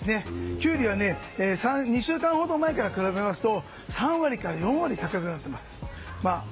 キュウリは２週間前と比べますと３割から４割高くなっています。